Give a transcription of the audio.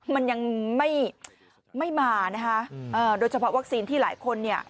มันยังไม่มานะคะโดยเฉพาะวัคซีนที่หลายคนเนี่ย